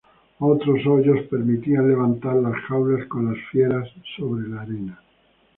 Otros hoyos permitían levantar las jaulas con las fieras sobre la arena.